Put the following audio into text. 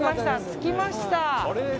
着きました。